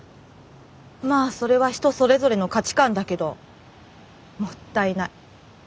まあそれは人それぞれの価値観だけどもったいない。